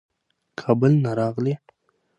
کابل نه راغلی.